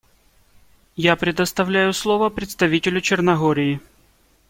Я предоставляю слово представителю Черногории.